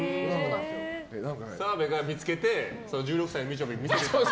澤部が見つけて１６歳のみちょぱに見せてるっていう。